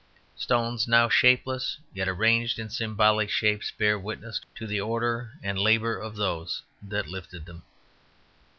Stones now shapeless yet arranged in symbolic shapes bear witness to the order and labour of those that lifted them.